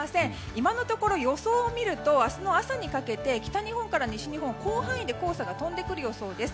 今のところ予想を見ると明日の朝にかけて北日本から西日本の広範囲で黄砂が飛んでくる予想です。